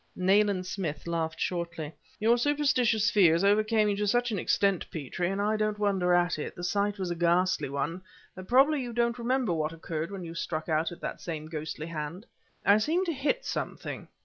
Nayland Smith laughed shortly. "Your superstitious fears overcame you to such an extent, Petrie and I don't wonder at it; the sight was a ghastly one that probably you don't remember what occurred when you struck out at that same ghostly hand?" "I seemed to hit something."